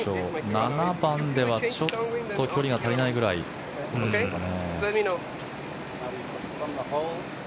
７番ではちょっと距離が足りないぐらいでしょうかね。